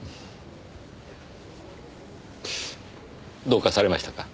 どうかされましたか？